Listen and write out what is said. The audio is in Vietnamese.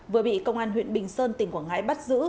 vừa bị công an huyện bình sơn tỉnh quảng ngãi bắt giữ